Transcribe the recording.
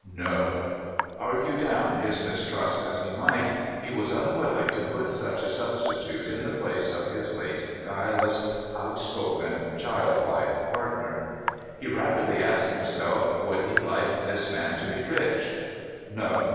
No, Argue down his mistrust as he might, he was unwilling to put such a substitute in the place of his late guileless, outspoken, childlike partner. He rapidly asked himself, would he like this man to be rich ? No.